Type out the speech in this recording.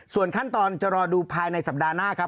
ส่วนขั้นตอนจะรอดูภายในสัปดาห์หน้าครับ